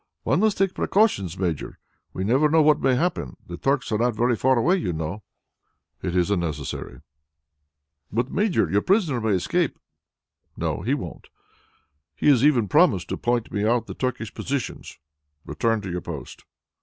"One must take precautions, Major. We never know what may happen. The Turks are not very far away, you know." "It is unnecessary." "But, Major, your prisoner may escape." "No, he won't; he has even promised to point me out the Turkish positions. Return to your post."